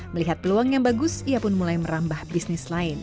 melihat peluang yang bagus ia pun mulai merambah bisnis lain